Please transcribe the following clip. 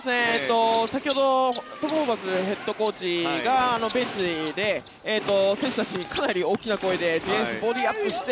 先ほどトム・ホーバスヘッドコーチがベンチで選手たちにかなり大きな声でディフェンスボディーアップして！